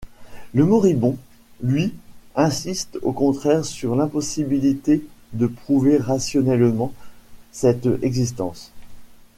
Le moribond, lui, insiste au contraire sur l’impossibilité de prouver rationnellement cette existence.